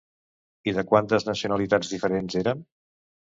I de quantes nacionalitats diferents eren?